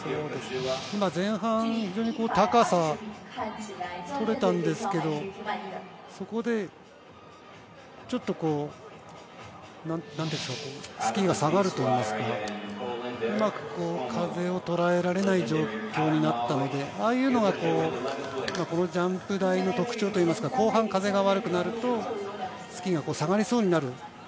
今前半、非常に高さ取れたんですけれど、そこでちょっとスキーが下がるといいますか、うまく風をとらえられない状況になったので、ああいうのがこのジャンプ台の特徴というか、後半風が悪くなるとスキーが下がりそうになる。